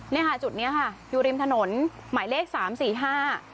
เนี่ยค่ะจุดเนี้ยค่ะอยู่ริมถนนหมายเลขสามสี่ห้า